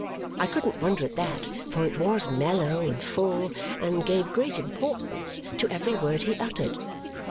I couldn't wonder at that, for it was mellow and full and gave great importance to every word he uttered.